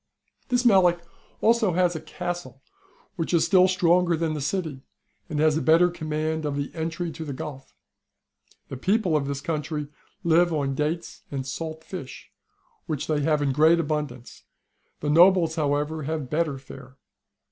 This Melic has also a castle which is still stronger than the city, and has a better command of the entry to the Gulf^ The people of this country live on dates and salt fish, which they have in great abundance ; the nobles, however, have better fare.